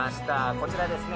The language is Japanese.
こちらですね